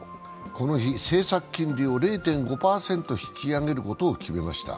この日、政策金利を０．５％引き上げることを決めました。